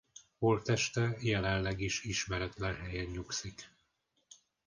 Holtteste jelenleg is ismeretlen helyen nyugszik.